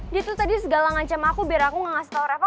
dia tuh tadi segala ngancam aku biar aku gak ngasih tau reva